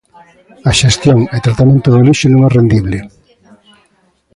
A xestión e tratamento do lixo non é rendible.